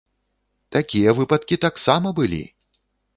Такія выпадкі таксама былі!